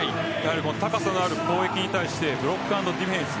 高さのある攻撃に対してブロック＆ディフェンス。